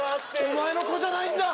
お前の子じゃないんだ！